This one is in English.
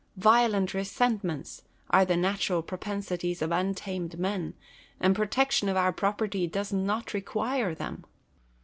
Violent resentments are the natural propen sities of untamed man : the protection of our property does not require them.